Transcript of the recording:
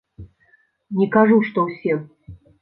Не кажу, што ўсе.